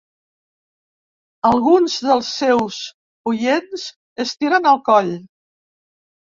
Alguns dels seus oients estiren el coll.